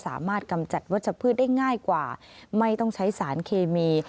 สามารถกำจัดวัตต์สะพืชได้ง่ายกว่าไม่ต้องใช้สารเคมี